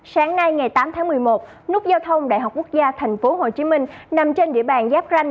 sáng nay ngày tám tháng một mươi một nút giao thông đại học quốc gia tp hcm nằm trên địa bàn giáp ranh